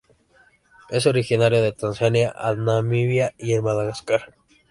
Es originario de Tanzania a Namibia y en Madagascar.